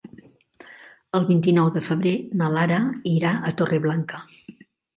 El vint-i-nou de febrer na Lara irà a Torreblanca.